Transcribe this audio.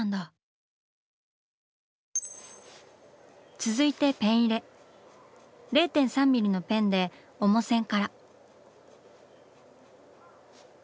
続いて０．３ミリのペンで主線から。